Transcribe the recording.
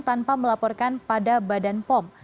tanpa melaporkan pada badan pom